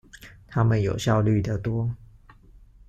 他們有效率的多